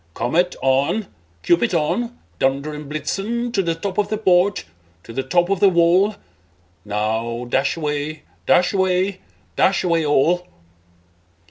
Comet, on! Cupid, on! Dunder and Blitzen To the top of the porch, to the top of the wall! Now, dash away, dash away, dash away all!"